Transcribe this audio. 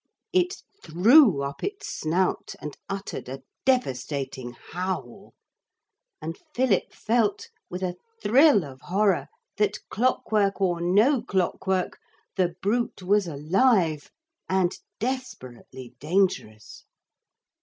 It threw up its snout and uttered a devastating howl, and Philip felt with a thrill of horror that, clockwork or no clockwork, the brute was alive, and desperately dangerous.